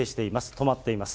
止まっています。